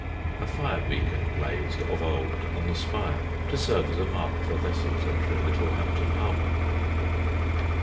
A fire beacon blazed of old on the spire to serve as a mark for vessels entering Littlehampton harbour.